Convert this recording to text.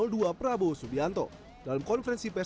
kedua pasangan capres cawapres pun menggelar konferensi pers